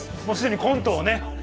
もうすでにコントをね